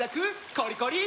コリコリ！